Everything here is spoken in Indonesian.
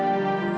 aku sudah lebih